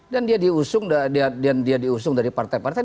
dan dia diusung dari partai partai